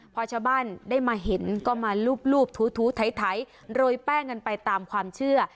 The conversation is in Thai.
พอชาวบ้านได้มาเห็นก็มาลูบถูไถโรยแป้งกันไปตามความเชื่อ